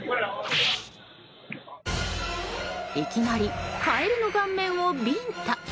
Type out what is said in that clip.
いきなりカエルの顔面をビンタ。